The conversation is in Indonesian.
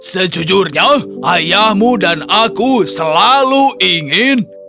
sejujurnya ayahmu dan aku selalu ingin